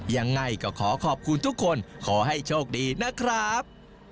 ยังไงก็ขอขอบคุณทุกคนขอให้โชคดีนะครับ